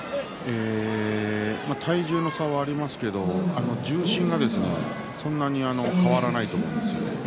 体重の差はありますけれども重心はそんなに変わらないと思うんですよね。